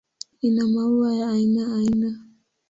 Ina maua ya aina aina.